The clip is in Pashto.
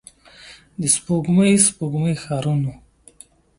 د سپوږمۍ، سپوږمۍ ښارونو